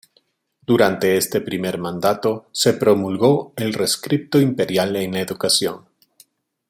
Durante este primer mandato, se promulgó el Rescripto Imperial en la Educación.